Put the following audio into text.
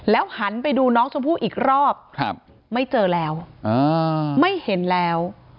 หันไปดูน้องชมพู่อีกรอบไม่เจอแล้วไม่เห็นแล้ว